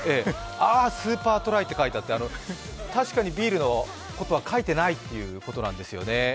アースーパートライって書いてあって、確かにビールのことは書いてないっていうことなんですよね。